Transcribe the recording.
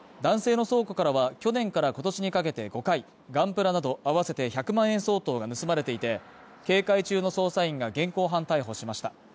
男性の倉庫からは去年から今年にかけて５回ガンプラなど合わせて１００万円相当が盗まれていて、警戒中の捜査員が現行犯逮捕しました。